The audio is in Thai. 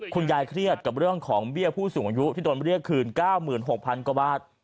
เครียดกับเรื่องของเบี้ยผู้สูงอายุที่โดนเรียกคืน๙๖๐๐๐กว่าบาท